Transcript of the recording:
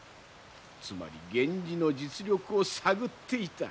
つまり源氏の実力を探っていた。